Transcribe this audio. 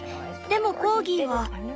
でもコーギーは」。